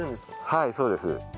はいそうです。